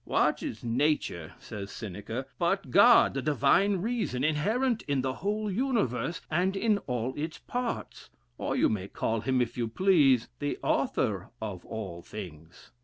"What is nature," says Seneca, "but God; the divine reason, inherent in the whole universe, and in all its parts? or you may call him, if you please, the author of all things."